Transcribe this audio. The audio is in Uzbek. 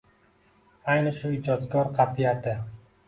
Ayni shu ijodkor qat’iyati.